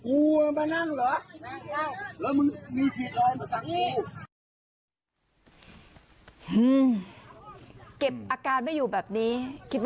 อุ๊ยไม่ต้องมีสันเหลือไม่ต้อง